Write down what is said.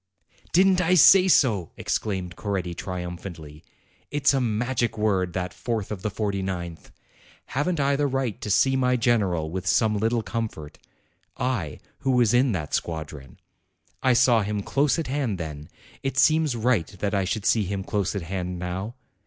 "Didn't I say so!" exclaimed Coretti triumphantly; "it's a magic word, that fourth of the forty ninth! Haven't I the right to see my general with some little comfort, I, who was in that squadron? I saw him close at hand then ; it seems right that I should see him close at hand now.